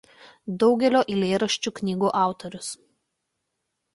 Daugelio eilėraščių knygų autorius.